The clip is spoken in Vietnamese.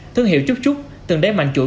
thương hiệu chút chút từng đáy mạnh chuỗi